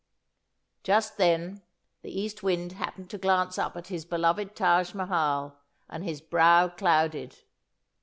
Just then the East Wind happened to glance up at his beloved Taj Mahal, and his brow clouded.